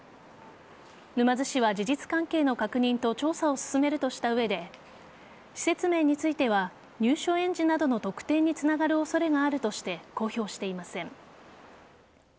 沼津市は事実関係の確認と調査を進めるとした上で説明については入所園児などの特定につながる恐れがあるとして公表していません。